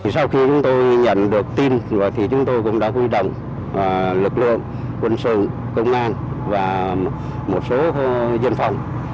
sau khi chúng tôi nhận được tin chúng tôi cũng đã quy động lực lượng quân sự công an và một số dân phòng